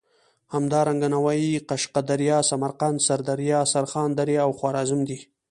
همدارنګه نوايي، قشقه دریا، سمرقند، سردریا، سرخان دریا او خوارزم دي.